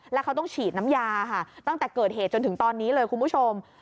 แล้วเขาต้องฉีดน้ำยาค่ะตั้งแต่เกิดเหตุจนถึงตอนนี้เลยคุณผู้ชม